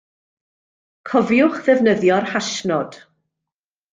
Cofiwch ddefnyddio'r hashnod.